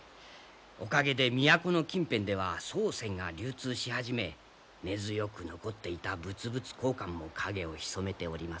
おかげで都の近辺では宋銭が流通し始め根強く残っていた物々交換も影をひそめております。